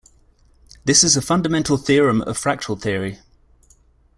This is a fundamental theorem of fractal theory.